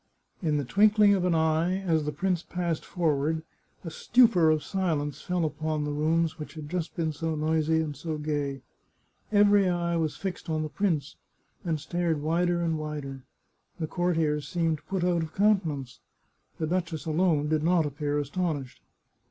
In the twinkling of an eye, as the prince passed forward, a stupor of silence fell upon the rooms which had just been so noisy and so gay. Every eye was fixed on the prince, and stared wider and wider. The courtiers seemed put out of countenance ; the duchess alone did not appear astonished.